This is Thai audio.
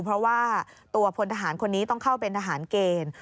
เพราะว่าตัวพลทหารคนนี้ต้องเข้าเป็นทหารเกณฑ์